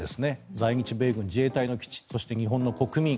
在日米軍、自衛隊の基地そして、日本の国民。